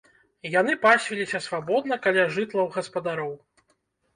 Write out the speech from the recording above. Яны пасвіліся свабодна каля жытлаў гаспадароў.